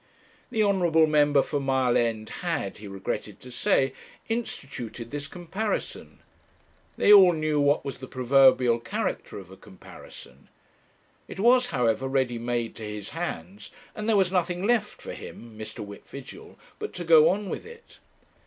The honourable member for Mile End had, he regretted to say, instituted this comparison. They all knew what was the proverbial character of a comparison. It was, however, ready made to his hands, and there was nothing left for him, Mr. Whip Vigil, but to go on with it.